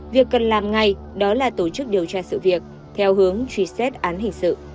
việc cần làm ngay đó là tổ chức điều tra sự việc theo hướng truy xét án hình sự